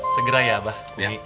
segera ya abah